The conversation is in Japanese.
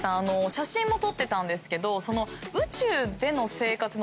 写真も撮ってたんですけど。